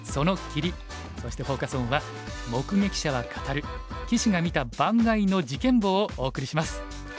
そしてフォーカス・オンは「目撃者は語る棋士が見た盤外の事件簿」をお送りします。